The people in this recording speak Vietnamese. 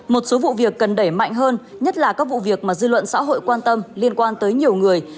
một số vụ việc cần đẩy mạnh hơn nhất là các vụ việc mà dư luận xã hội quan tâm liên quan tới nhiều người